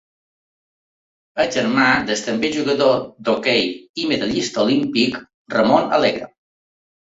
És germà del també jugador d'hoquei i medallista olímpic Ramon Alegre.